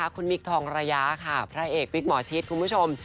คุณมิคทองระยะค่ะพระเอกวิกหมอชิดคุณผู้ชม